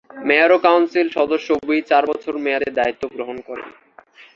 Mayor ও council সদস্য উভয়ই চার বছরের মেয়াদে দায়িত্ব গ্রহণ করেন।